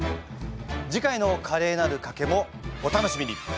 次回の「カレーなる賭け」もお楽しみに！